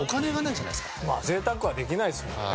まあ贅沢はできないですもんね。